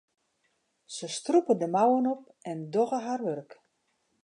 Se strûpe de mouwen op en dogge har wurk.